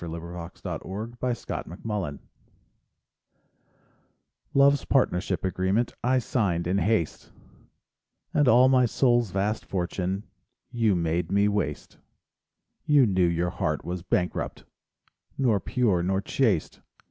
SONGS AND DREAMS A False Partner Love's partnership agreement I signed in haste, And all my soul's vast fortune You made me waste, You knew your heart was bankrupt— Nor pure, nor chaste.